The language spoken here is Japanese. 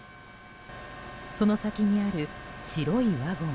その先にある白いワゴン。